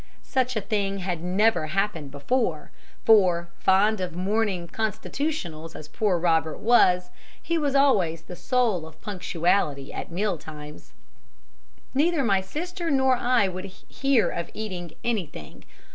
Such a thing had never happened before, for, fond of morning 'constitutionals' as poor Robert was, he was always the soul of punctuality at meal times. "Neither my sister nor I would hear of eating anything.